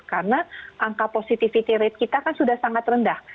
karena angka positivity rate kita kan sudah sangat rendah